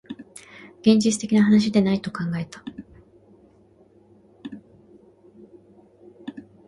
現実的な話ではないと考えた